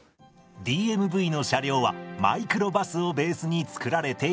ＤＭＶの車両はマイクロバスをベースに作られています。